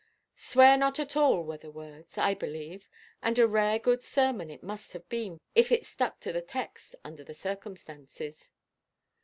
"Swear not at all," were the words, I believe; and a rare good sermon it must have been, if it stuck to the text under the circumstances.